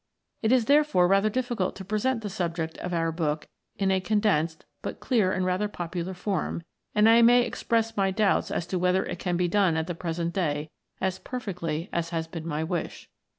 It is therefore rather difficult to present the subject of our book in a condensed but clear and rather popular form, and I may express my doubts as to whether it can be done at the present day as perfectly as had been my wish.